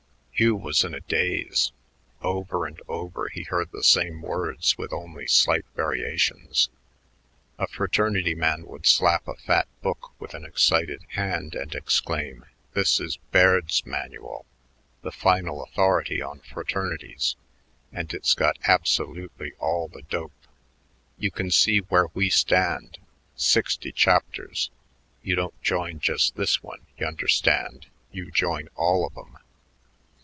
Hugh was in a daze. Over and over he heard the same words with only slight variations. A fraternity man would slap a fat book with an excited hand and exclaim: "This is 'Baird's Manual,' the final authority on fraternities, and it's got absolutely all the dope. You can see where we stand. Sixty chapters! You don't join just this one, y' understand; you join all of 'em.